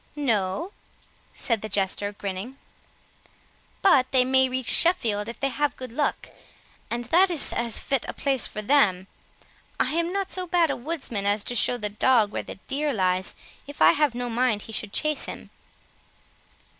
"No," said the Jester, grinning, "but they may reach Sheffield if they have good luck, and that is as fit a place for them. I am not so bad a woodsman as to show the dog where the deer lies, if I have no mind he should chase him."